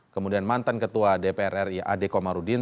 kemudian mantan ketua dpr ri adekomarudin